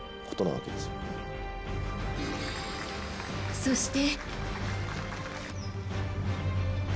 そして。